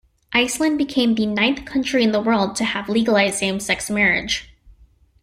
Iceland became the ninth country in the world to have legalized same-sex marriage.